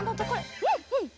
うんうん！